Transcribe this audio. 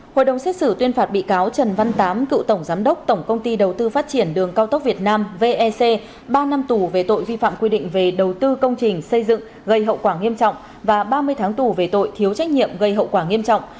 hội đồng xét xử tuyên phạt bị cáo trần văn tám cựu tổng giám đốc tổng công ty đầu tư phát triển đường cao tốc việt nam vec ba năm tù về tội vi phạm quy định về đầu tư công trình xây dựng gây hậu quả nghiêm trọng và ba mươi tháng tù về tội thiếu trách nhiệm gây hậu quả nghiêm trọng